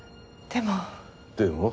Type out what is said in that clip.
でも？